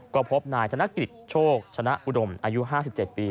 ก็พบนายธนกฤษโชคชนะอุดมอายุ๕๗ปี